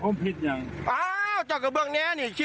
มีสินทรงเรื่องครับทั่วไปก็ไม่เหลือ